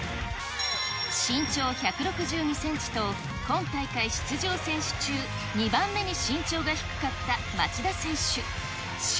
身長１６２センチと、今大会出場選手中２番目に身長が低かった町田選手。